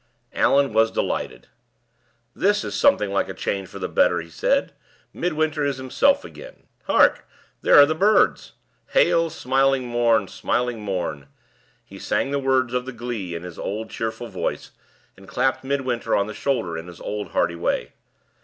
Allan was delighted. "This is something like a change for the better," he said; "Midwinter is himself again. Hark! there are the birds. Hail, smiling morn! smiling morn!" He sang the words of the glee in his old, cheerful voice, and clapped Midwinter on the shoulder in his old, hearty way.